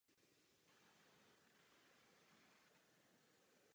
Ve své románové a povídkové tvorbě zobrazuje především život na rodné Sardinii.